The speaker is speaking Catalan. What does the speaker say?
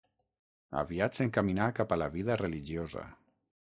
Aviat s'encaminà cap a la vida religiosa.